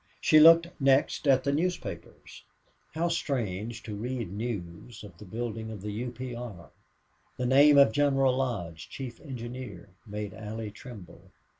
She looked next at the newspapers. How strange to read news of the building of the U. P. R.! The name of General Lodge, chief engineer, made Allie tremble.